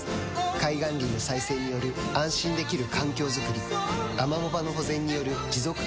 海岸林の再生による安心できる環境づくりアマモ場の保全による持続可能な海づくり